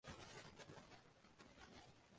でも、どこに行くかは決まっていないようだった。